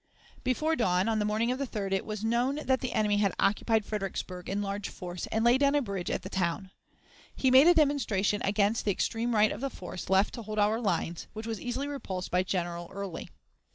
Before dawn, on the morning of the 3d, it was known that the enemy had occupied Fredericksburg in large force, and laid down a bridge at the town. He made a demonstration against the extreme right of the force left to hold our lines, which was easily repulsed by General Early.